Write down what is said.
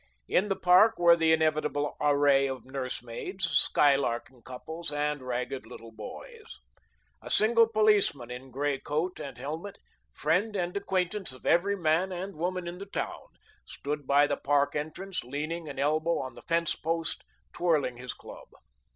In the park were the inevitable array of nursemaids, skylarking couples, and ragged little boys. A single policeman, in grey coat and helmet, friend and acquaintance of every man and woman in the town, stood by the park entrance, leaning an elbow on the fence post, twirling his club.